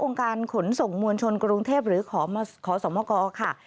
การขนส่งมวลชนกรุงเทพหรือขอสมกค่ะ